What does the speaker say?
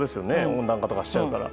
温暖化とかしちゃうから。